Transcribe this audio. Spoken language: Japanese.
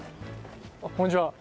こんにちは。